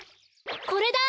これだ！